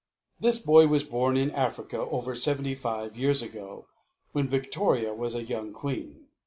This boy was born in Africa over seventy five years ago, when Victoria was a young queen.